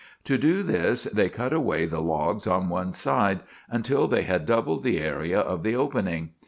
To do this, they cut away the logs on one side until they had doubled the area of the opening.